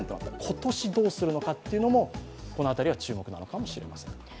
今年どうするのかというのもこの辺りは注目なのかもしれません。